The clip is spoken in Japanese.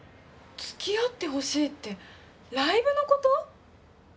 「付き合ってほしい」ってライブのこと？